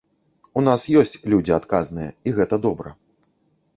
У нас ёсць людзі адказныя, і гэта добра.